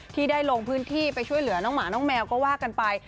ที่ได้ลงพื้นที่ไปช่วยเหลือน้องหมาน้องแมวก็ว่ากันไป